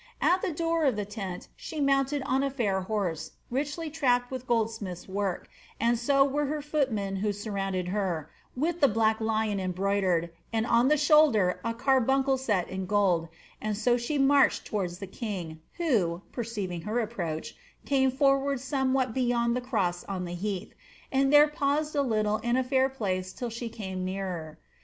At the door of the tent she mounted on a fair horse, richly trapped with goldsmiths' work, and so were her footmen who surrounded her, with the black lion^ embroidered, and on the shoulder a carbuncle set in gold ; and so she inarched towards the king, who, perceiving her approach, came forward somewhat beyond the cross on the heath,' and there paused a little in a fair place till she came oearer.